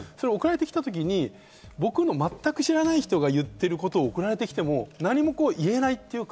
その時に全く知らない人が言ってることを送られてきても何も言えないというか。